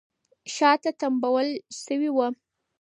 شاته تمبول شوې وه